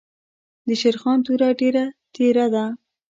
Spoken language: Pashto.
دشېرخان توره ډېره تېره ده.